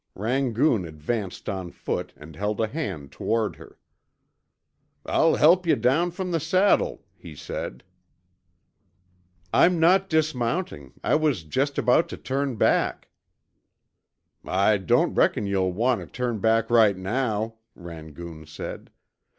Rangoon advanced on foot, and held a hand toward her. "I'll help yuh down from the saddle," he said. "I'm not dismounting, I was just about to turn back." "I don't reckon you'll want tuh turn back right now," Rangoon said.